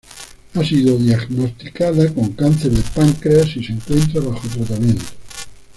Ha sido diagnosticada con cáncer de páncreas y se encuentra bajo tratamiento.